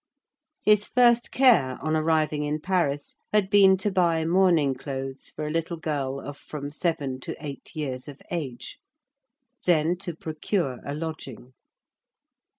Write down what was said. His first care on arriving in Paris had been to buy mourning clothes for a little girl of from seven to eight years of age; then to procure a lodging.